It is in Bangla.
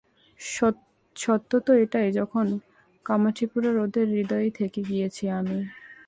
সত্যতো এটাই এখন কামাঠিপুরার ওদের হৃদয়েই থেকে গিয়েছি আমি।